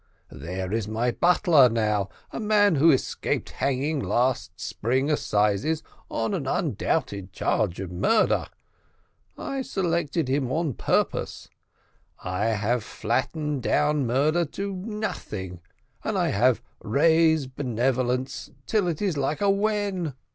There is my butler, now; a man who escaped hanging last spring assizes on an undoubted charge of murder. I selected him on purpose; I have flattened down murder to nothing, and I have raised benevolence till it's like a wen."